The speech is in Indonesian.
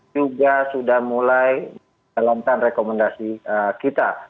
juga sudah mulai menjalankan rekomendasi kita